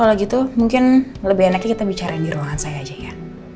kalau gitu mungkin lebih enaknya kita bicara di ruangan saya aja ya